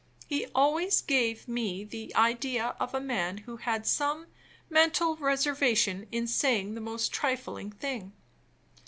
He always gave me the idea of a man who had some mental reservation in saying the most trifling thing.